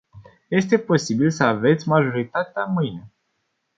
Este posibil să aveți majoritatea mâine.